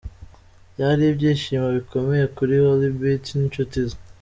Byari ibyishimo bikomeye kuri HolyBeat n'inshuti ze.